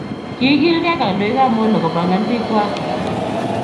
Kikilke kandoik ab Molo kobangan bik kwak